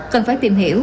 cần phải tìm hiểu